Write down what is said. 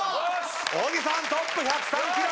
小木さんトップ１０３キロ！